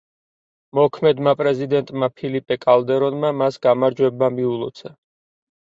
მოქმედმა პრეზიდენტმა, ფელიპე კალდერონმა მას გამარჯვება მიულოცა.